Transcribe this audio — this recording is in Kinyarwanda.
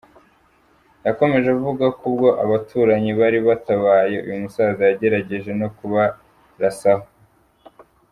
Yakomeje avuga ko ubwo abaturanyi bari batabaye, uyu musaza yagerageje no kubarasaho.